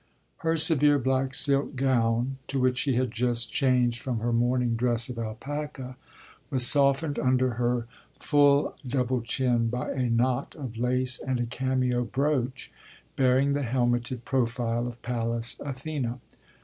Her severe black silk gown, to which she had just changed from her morning dress of alpaca, was softened under her full double chin by a knot of lace and a cameo brooch bearing the helmeted profile of Pallas Athene.